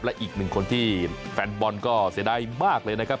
และอีกหนึ่งคนที่แฟนบอลก็เสียดายมากเลยนะครับ